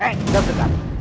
hei diam dekat